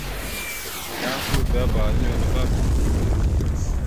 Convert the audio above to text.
Yan ʉbebá a nʉwel ava bredey bredey.